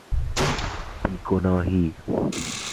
بی گناهی